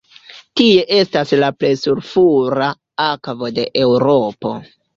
Tie estas la plej sulfura akvo de Eŭropo.